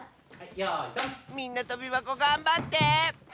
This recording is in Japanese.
みんなとびばこがんばって！